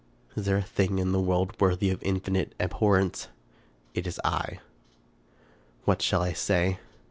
Is there a thing in the world worthy of infinite abhorrence? It is I. What shall I say?